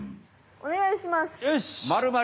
おねがいします！